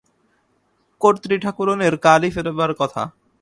কর্ত্রীঠাকরুনের কালই ফেরবার কথা।